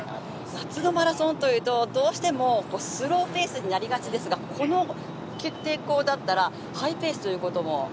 夏のマラソンというとどうしてもスローペースになりがちですがこの気候だったらハイペースということも？